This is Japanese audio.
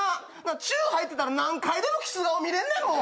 「ちゅ」入ってたら何回でもキス顔見れんねんもん。